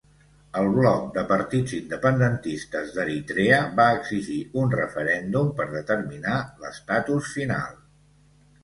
El bloc de partits independentistes d'Eritrea va exigir un referèndum per determinar l'estatus final.